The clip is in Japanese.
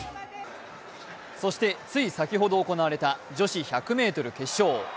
そして、つい先ほど行われた女子１００ｍ決勝。